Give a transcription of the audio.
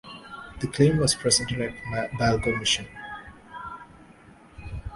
The claim was presented at Balgo Mission.